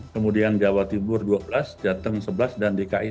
kemudian jawa timur dua belas jateng sebelas dan dki